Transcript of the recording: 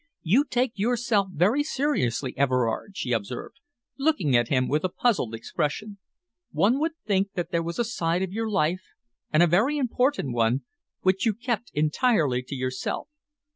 "You take yourself very seriously, Everard," she observed, looking at him with a puzzled expression. "One would think that there was a side of your life, and a very important one, which you kept entirely to yourself.